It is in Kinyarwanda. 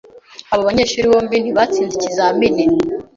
Abo banyeshuri bombi ntibatsinze ikizamini.